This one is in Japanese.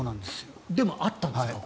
でも、あったんですか？